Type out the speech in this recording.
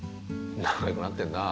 仲良くなってんなあ。